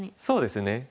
そうですね。